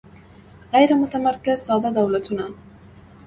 غیر متمرکز ساده دولتونه